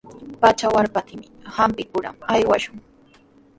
Pacha waraptinmi hampikuqman aywashun.